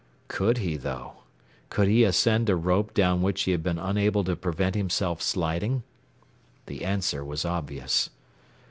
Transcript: Could he, though? Could he ascend a rope down which he had been unable to prevent himself sliding? The answer was obvious.